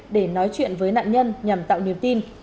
để nói chuyện với nạn nhân nhằm tạo niềm tin